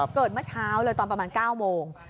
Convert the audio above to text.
เมื่อเช้าเลยตอนประมาณ๙โมง